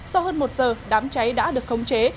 sau hơn một giờ đám cháy đã được khống chế